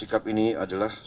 dan sikap ini adalah